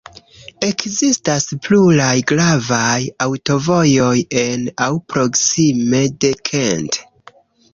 Ekzistas pluraj gravaj aŭtovojoj en aŭ proksime de Kent.